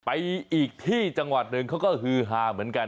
อีกที่จังหวัดหนึ่งเขาก็ฮือฮาเหมือนกัน